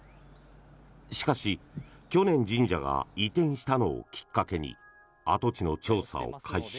しかし、去年神社が移転したのをきっかけに跡地の調査を開始。